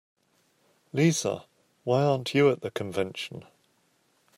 Lisa, why aren't you at the convention?